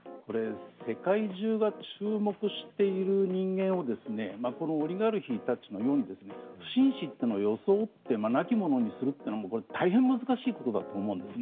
世界中が注目している人間をこのオリガルヒたちのように不審死を装って亡き者にするというのも大変に難しいと思います。